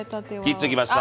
切っときました！